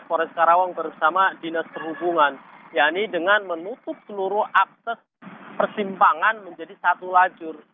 polres karawang bersama dinas perhubungan yaitu dengan menutup seluruh akses persimpangan menjadi satu lajur